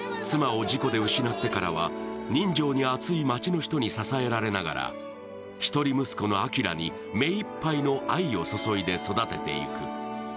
妻を事故で失ってからは、人情に厚い街の人に支えられながら一人息子のアキラに目いっぱいの愛を注いで育てていく。